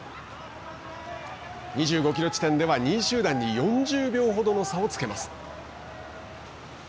２５キロ地点では２位集団に４０秒ほどの差をつけます。